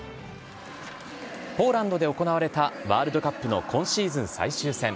ポーランドで行われたワールドカップの今シーズン最終戦。